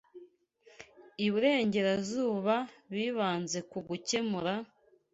Iburengerazuba bibanze ku gukemura